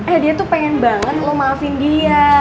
eh dia tuh pengen banget lo maafin dia